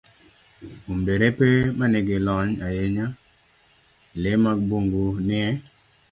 Kuom derepe ma nigi lony ahinya, le mag bungu nie